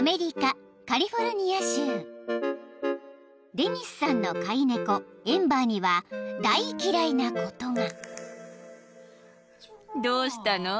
［デニスさんの飼い猫エンバーには大嫌いなことが］